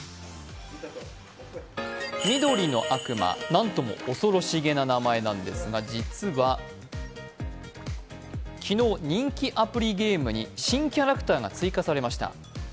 緑の悪魔、なんとも恐ろしげな名前なんですが、実は昨日、人気アプリゲームに新キャラクターが追加されました。